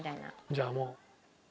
じゃあもう何？